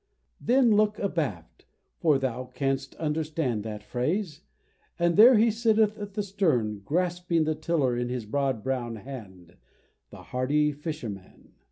Then look abaft (for thou canst understand That phrase) and there he sitteth at the stern, Grasping the tiller in his broad brown hand, The hardy Fisherman.